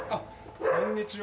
こんにちは。